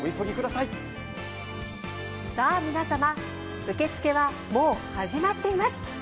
さあ皆様受け付けはもう始まっています。